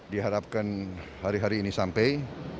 diharapkan hari hari ini sampai